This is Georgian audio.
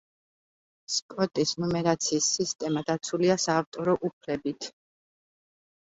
სკოტის ნუმერაციის სისტემა დაცულია საავტორო უფლებით.